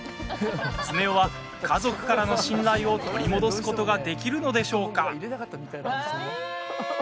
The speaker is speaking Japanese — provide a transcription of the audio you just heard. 常雄は家族からの信頼を取り戻すことができるのでしょうか？